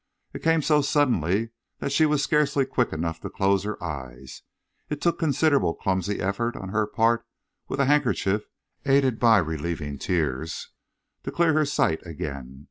It came so suddenly that she was scarcely quick enough to close her eyes. It took considerable clumsy effort on her part with a handkerchief, aided by relieving tears, to clear her sight again.